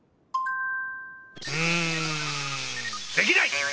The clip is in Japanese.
うんできない！